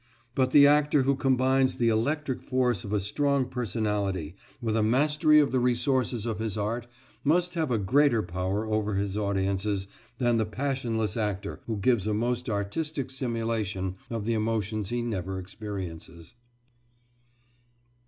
But the actor who combines the electric force of a strong personality with a mastery of the resources of his art must have a greater power over his audiences than the passionless actor who gives a most artistic simulation of the emotions he never experiences.